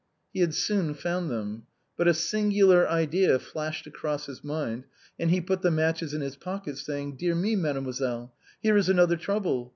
He had soon found them. But a singular idea flashed across his mind, and he put the matches in his pocket, saying, " Dear me, mademoiselle, here is another trouble.